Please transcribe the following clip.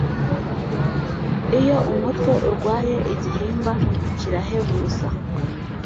iyo umutwe urwaye igihimba kirahebuza